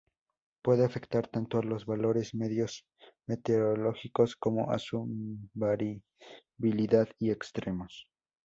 Puede afectar tanto a los valores medios meteorológicos como a su variabilidad y extremos.